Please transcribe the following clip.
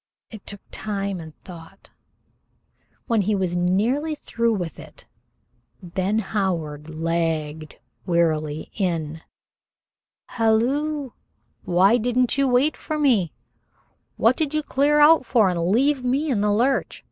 It took time and thought. When he was nearly through with it, Ben Howard lagged wearily in. "Halloo! Why didn't you wait for me? What did you clear out for and leave me in the lurch?